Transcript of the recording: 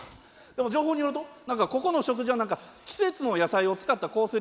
でも情報によると何かここの食事は何か季節の野菜を使ったコース